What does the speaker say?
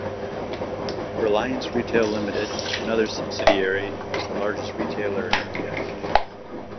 Reliance Retail Limited, another subsidiary, is the largest retailer in India.